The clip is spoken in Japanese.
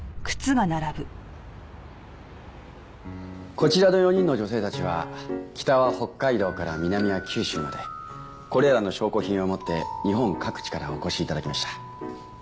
こちらの４人の女性たちは北は北海道から南は九州までこれらの証拠品を持って日本各地からお越し頂きました。